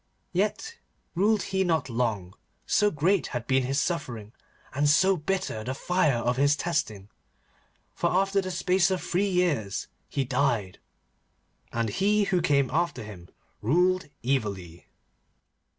Yet ruled he not long, so great had been his suffering, and so bitter the fire of his testing, for after the space of three years he died. And he who came after him ruled evilly.